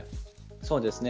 そうですね。